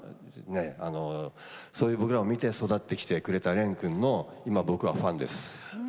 そういう僕らを見て育ってきてくれた蓮君の今僕はファンです。